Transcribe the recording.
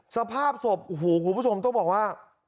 สภาพศพหูของผู้ชมต้องบอกว่า